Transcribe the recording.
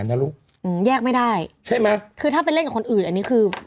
นะลูกอืมแยกไม่ได้ใช่ไหมคือถ้าไปเล่นกับคนอื่นอันนี้คือ